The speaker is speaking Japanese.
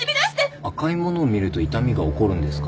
赤いものを見ると痛みが起こるんですか？